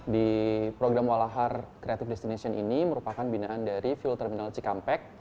di program walahar creative destination ini merupakan binaan dari fuel terminal cikampek